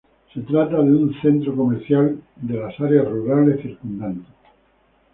Se trata de un centro comercial de las áreas rurales circundantes.